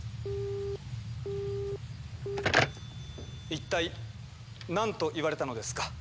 一体何と言われたのですか？